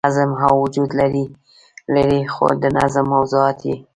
نظم هم وجود لري خو د نظم موضوعات ئې